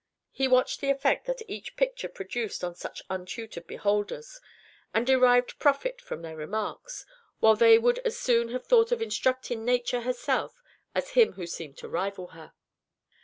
He watched the effect that each picture produced on such untutored beholders, and derived profit from their remarks, while they would as soon have thought of instructing Nature herself as him who seemed to rival her.